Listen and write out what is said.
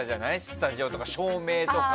スタジオとか、照明とか。